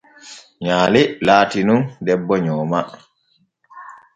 Nyaale latii nun debbo nyooma.